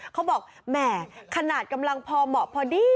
เขาบอกแหมขนาดกำลังพอเหมาะพอดี